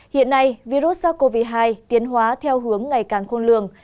hiện nay virus sars cov hai tiến hóa theo hướng ngày càng khôn lường